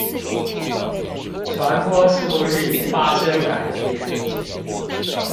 傳播速率發生改變